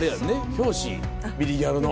表紙『ビリギャル』の。